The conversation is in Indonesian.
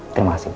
terima kasih bu